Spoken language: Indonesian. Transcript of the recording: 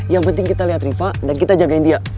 yang penting kita lihat riva dan kita jagain dia